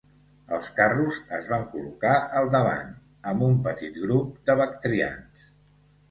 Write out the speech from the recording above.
Els carros es van col·locar al davant amb un petit grup de bactrians.